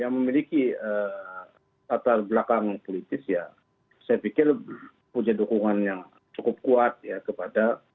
yang memiliki tatar belakang politis ya saya pikir punya dukungan yang cukup kuat ya kepada